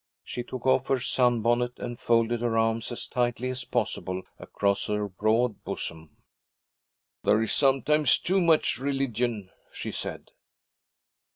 She took off her sunbonnet, and folded her arms as tightly as possible across her broad bosom. 'There is sometimes too much religion' she said.